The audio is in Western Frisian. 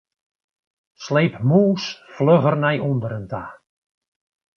Sleep mûs flugger nei ûnderen ta.